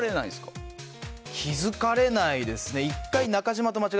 気付かれないですね。